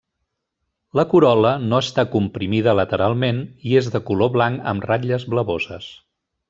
La corol·la no està comprimida lateralment i és de color blanc amb ratlles blavoses.